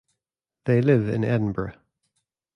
They live in Edinburgh.